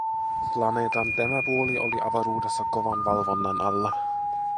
Planeetan tämä puoli oli avaruudessa kovan valvonnan alla.